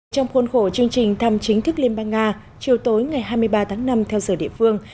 trong khuôn khổ chương trình thăm chính thức liên bang nga chiều tối ngày hai mươi ba tháng năm theo giờ địa phương